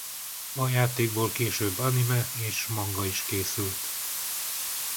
A játékból később anime és manga is készült.